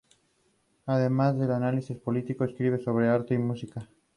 Además de análisis político escribe sobre arte y música.